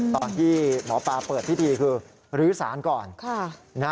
ตอนที่หมอปลาเปิดพิธีคือรื้อสารก่อน